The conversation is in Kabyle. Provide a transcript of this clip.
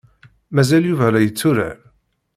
Mazal Yuba la yetturar?